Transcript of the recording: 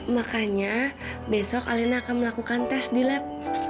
makanya besok alina akan melakukan tes di lab